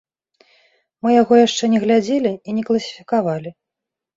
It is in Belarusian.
Мы яго яшчэ не глядзелі і не класіфікавалі.